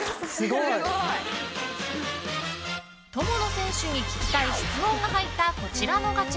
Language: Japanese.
友野選手に聞きたい質問が入ったこちらのガチャ。